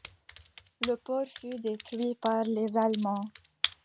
Le port fut détruit par les Allemands.